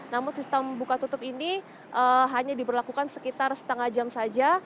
namun sistem buka tutup ini hanya diberlakukan sekitar setengah jam saja